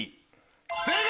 正解！